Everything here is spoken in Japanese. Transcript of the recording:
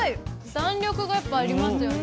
弾力がやっぱありますよね。